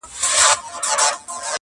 • په قېمت د سر یې ختمه دا سودا سوه..